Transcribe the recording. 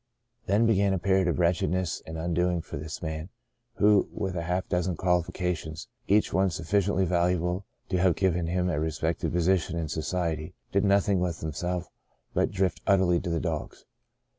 Then began a period of wretchedness and undoing for this man who, with half a dozen qualifications, each one sufficiendy valuable to have given him a respected position in society, did nothing with himself but drift utterly to the dogs.